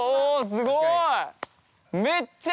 ◆すごい！